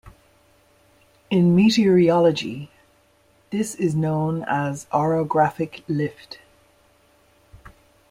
In meteorology this is known as orographic lift.